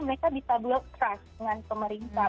mereka bisa block trust dengan pemerintah